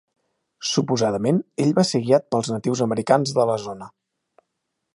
Suposadament, ell va ser guiat pels natius americans de la zona.